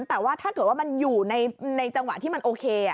แต่ว่าถ้าเกิดว่ามันอยู่ในจังหวะที่มันโอเค